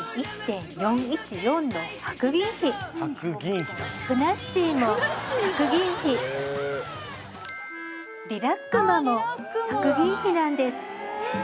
１．４１４の白銀比ふなっしーも白銀比リラックマも白銀比なんです